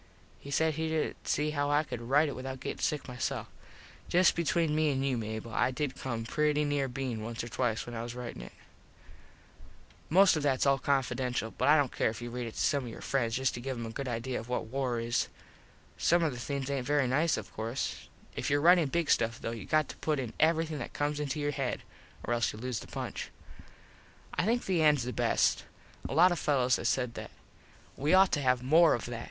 He said he didn't see how I could rite it without gettin sick myself. Just between me an you Mable I did come pretty near being once or twice when I was ritin it. [Illustration: "IF I CATCH ONE OF THOSE AILIN ENEMIES WINDIN UP YOUR VICTROLA"] Most of all thats confidential but I dont care if you read it to some of your friends just to give em a good idea of what war is. Some of the things aint very nice of course. If your ritin big stuff though you got to put in everything that comes into your head, or else you lose the punch. I think the ends the best. A lot of fellos has said that. We ought to have more of that.